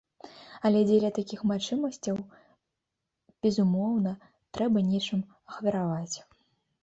Але дзеля такіх магчымасцяў, безумоўна, трэба нечым ахвяраваць.